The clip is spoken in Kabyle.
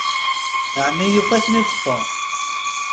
Ɛni yufa-ten-id Tom?